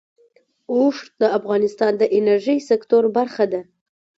اوښ د افغانستان د انرژۍ سکتور برخه ده.